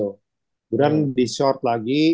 kemudian di short lagi